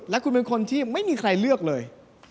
และคุณเป็นคนที่ไม่มีใครเลือกเลย